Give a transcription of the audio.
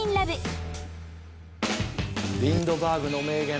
リンドバーグの名言